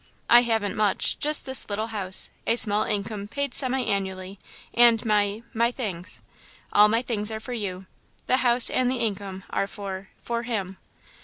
I haven't much just this little house, a small income paid semi annually, and my my things. All my things are for you the house and the income are for for him."